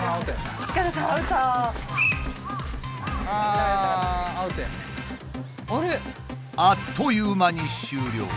あっという間に終了。